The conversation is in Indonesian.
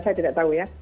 saya tidak tahu ya